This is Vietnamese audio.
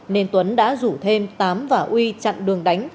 nên tuấn đã rủ thêm tám và uy chặn đường đánh